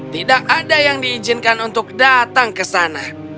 tidak ada yang diizinkan untuk datang ke sana